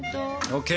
ＯＫ！